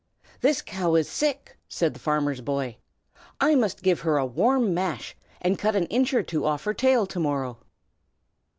"This cow is sick!" said the farmer's boy. "I must give her a warm mash, and cut an inch or two off her tail to morrow."